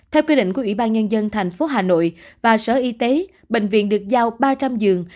theo quy định của ủy ban nhân dân tp hà nội và sở y tế bệnh viện được giao ba trăm linh giường